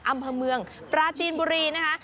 อำเภอเมืองปราจีนบุรีนะคะ